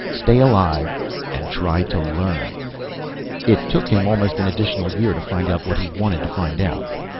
Stay alive and try to learn. It took him almost an additional year to find out what he wanted to find out.